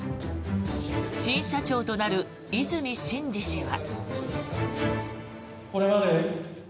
新社長となる和泉伸二氏は。